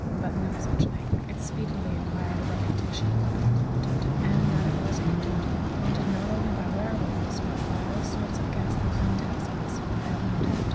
But no such thing. It speedily acquired a reputation for being haunted. And that it was haunted haunted not only by werwolves but by all sorts of ghastly phantasms I have no doubt.